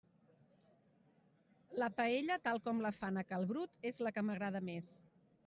La paella tal com la fan a cal Brut és la que m'agrada més.